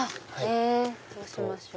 どうしましょう？